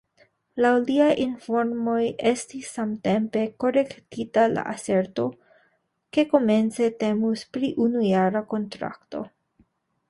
Laŭ liaj informoj estis samtempe korektita la aserto, ke komence temus pri unujara kontrakto.